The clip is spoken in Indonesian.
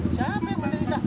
siapa yang menderita